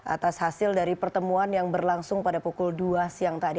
atas hasil dari pertemuan yang berlangsung pada pukul dua siang tadi